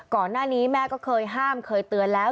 ก่อนหน้านี้แม่ก็เคยห้ามเคยเตือนแล้ว